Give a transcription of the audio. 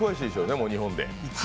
今、日本で。